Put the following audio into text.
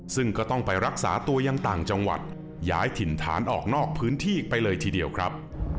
ซึ่งก็ต้องไปรักษาตัวยังต่างจังหวัดย้ายถิ่นฐานออกนอกพื้นที่ไปเลยทีเดียวครับ